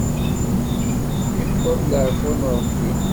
Iwweḍ laɛfu n Ṛebbi.